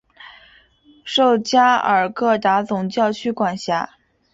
受加尔各答总教区管辖。